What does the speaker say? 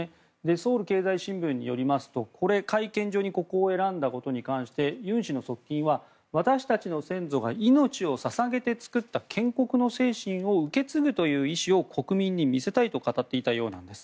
ソウル経済新聞によりますとこれ、会見場にここを選んだことに関してユン氏の側近は私たちの先祖が命を捧げて作った建国の精神を受け継ぐという意志を国民に見せたいと語っていたようなんです。